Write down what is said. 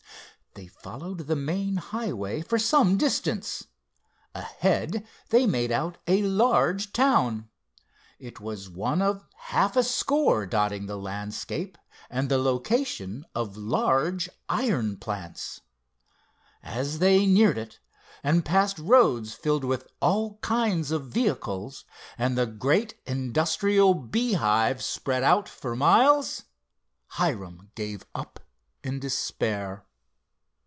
They followed the main highway for some distance. Ahead they made out a large town. It was one of half a score dotting the landscape, and the location of large iron plants. As they neared it, and passed roads filled with all kinds of vehicles, and the great industrial beehive spread out for miles, Hiram gave up in despair.